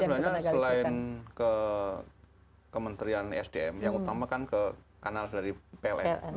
ya kalau pengaduan sebenarnya selain ke kementerian sdm yang utama kan ke kanal dari plm